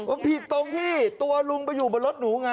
มันผิดตรงที่ตัวลุงไปอยู่บนรถหนูไง